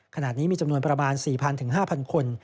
ขณะนี้มีจำนวนประมาณ๔๐๐๕๐๐คน